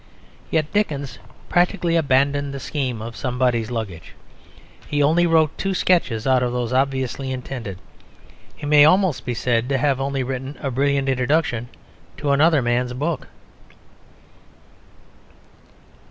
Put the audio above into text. Yet Dickens practically abandoned the scheme of Somebody's Luggage; he only wrote two sketches out of those obviously intended. He may almost be said to have only written a brilliant introduction to another man's book.